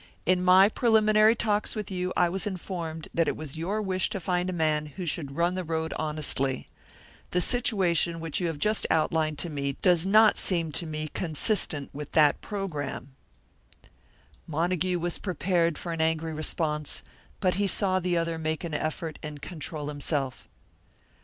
In my preliminary talks with you I was informed that it was your wish to find a man who should run the road honestly. The situation which you have just outlined to me does not seem to me consistent with that programme." Montague was prepared for an angry response, but he saw the other make an effort and control himself.